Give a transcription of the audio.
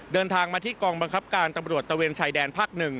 เดินทางมาที่กองบังคับการตำรวจตะเวนชายแดนภาค๑